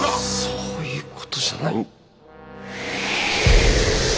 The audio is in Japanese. そういうことじゃない。